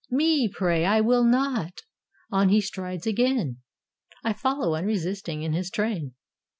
"Me, pray!" "I will not." On he strides again: I follow, unresisting, in his train.